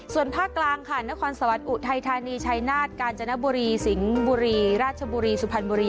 ส่วนภาคกลางค่ะนครสวรรค์อุทัยธานีชัยนาฏกาญจนบุรีสิงห์บุรีราชบุรีสุพรรณบุรี